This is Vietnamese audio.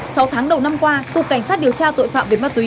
sau tháng đầu năm qua cục cảnh sát điều tra tội phạm về ma túy